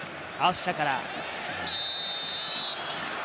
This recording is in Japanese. アフシャから。